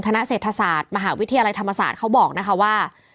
คณะเศรษฐศาสตร์มหาวิทยาลัยธรรมศาสตร์เขาบอกนะคะว่า